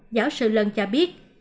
giáo sư lân cho biết